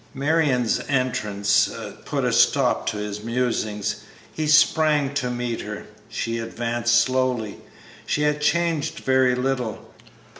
Marion's entrance put a stop to his musings. He sprang to meet her, she advanced slowly. She had changed very little.